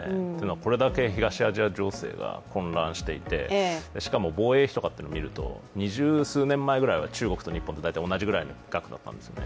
これだけ東アジア情勢が混乱していてしかも、防衛費とかを見ると二十数年前ぐらいは中国と日本と大体同じぐらいの額だったんですよね。